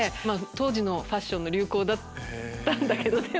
当時のファッションの流行だったんだけど。